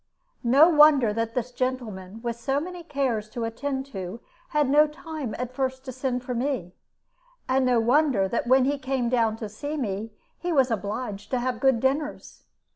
No wonder that this gentleman, with so many cares to attend to, had no time at first to send for me. And no wonder that when he came down to see me, he was obliged to have good dinners.